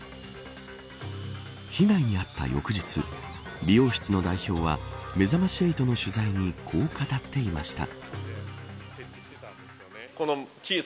被害に遭った翌日美容室の代表はめざまし８の取材にこう語ってました。